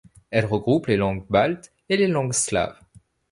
Elles regroupent les langues baltes et les langues slaves.